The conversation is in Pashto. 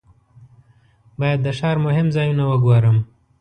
باید د ښار مهم ځایونه وګورم.